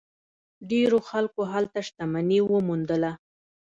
ډیرو خلکو هلته شتمني وموندله.